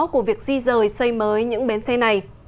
của việc di rời xây mới những bến xe này